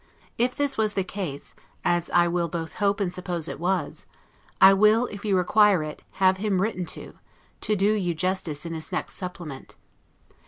If this was the case, as I will both hope and suppose it was, I will, if you require it, have him written to, to do you justice in his next 'supplement'.